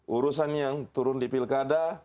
urusan yang turun di pilkada